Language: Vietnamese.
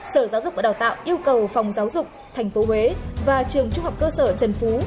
sở giáo dục và đào tạo yêu cầu phòng giáo dục tp huế và trường trung học cơ sở trần phú